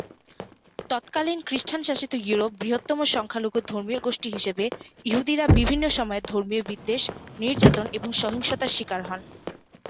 তৎকালীন খ্রিস্টান-শাসিত ইউরোপে বৃহত্তম সংখ্যালঘু ধর্মীয়-গোষ্ঠী হিসেবে ইহুদিরা বিভিন্নসময় ধর্মীয় বিদ্বেষ, নির্যাতন ও সহিংসতার শিকার হত।